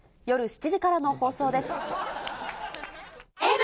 夜７時からの放送です。